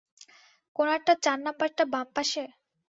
কোণারটা চার নাম্বারটা বাম পাশে?